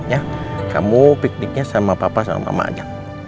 ya kamu pikniknya sama papa sama mama aja